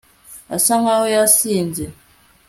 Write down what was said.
asa nkaho yasinze